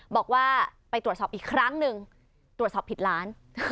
บอกว่าไปตรวจสอบอีกครั้งหนึ่งตรวจสอบผิดล้าน